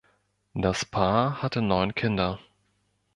Das Paar hatte neun Kinder.